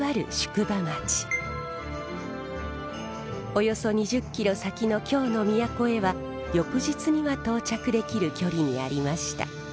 およそ２０キロ先の京の都へは翌日には到着できる距離にありました。